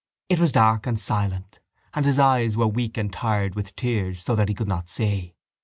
It was dark and silent and his eyes were weak and tired with tears so that he could not see.